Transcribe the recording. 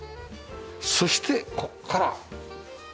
そしてここから。